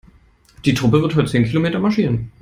Die Truppe wird heute zehn Kilometer marschieren.